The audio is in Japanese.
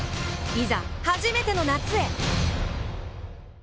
いざ、初めての夏へ！